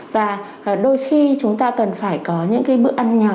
và đôi khi chúng ta cần phải có những cái bữa ăn nhỏ